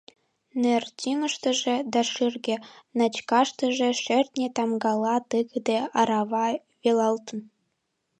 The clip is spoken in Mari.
Нер тӱҥыштыжӧ да шӱргӧ начкаштыже шӧртньӧ тамгала тыгыде арава велалтын.